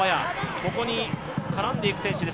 ここに絡んでいく選手です。